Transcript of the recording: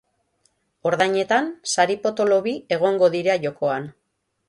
Ordainetan, sari potolo bi egongo dira jokoan.